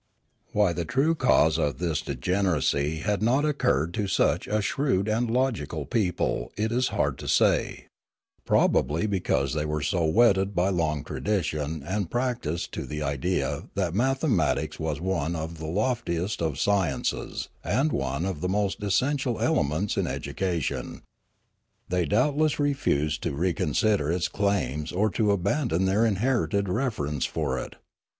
" Why the true cause of this degeneracy had not oc curred to such a shrewd and logical people it is hard to say; probably because they were so wedded by long tradition and practice to the idea that mathematics was one of the loftiest of sciences and one of the most es sential elements in education. They doubtless refused to reconsider its claims or to abandon their inherited reverence for it.